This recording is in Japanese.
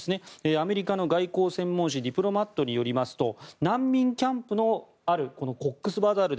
アメリカの外交専門誌「ディプロマット」によりますと難民キャンプのあるコックスバザール